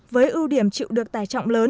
với ưu điểm chịu được tài trọng lượng